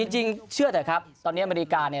จริงเชื่อเถอะครับตอนนี้อเมริกา